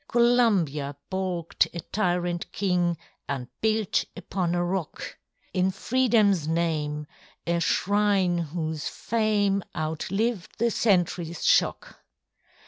Columbia baulked a tyrant king, And built upon a rock, In FreedomŌĆÖs name, a shrine whose fame Outlived the centuryŌĆÖs shock.